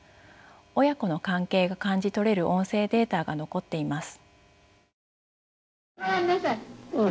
親子の関係が感じ取れる音声データが残っています。